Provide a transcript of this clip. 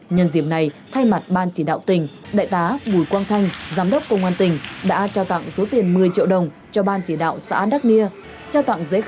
năm nay thì là cái năm rất quan trọng đối với tôi